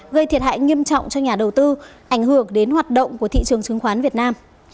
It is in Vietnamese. gây thiệt hại nghiêm trọng cho nhà đầu tư ảnh hưởng đến hoạt động của thị trường chứng khoán việt nam